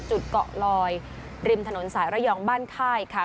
จุดเกาะลอยริมถนนสายระยองบ้านค่ายค่ะ